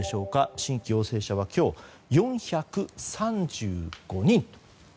新規陽性者は今日４３５人。